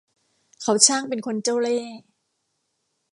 เขาช่างเป็นคนเจ้าเล่ห์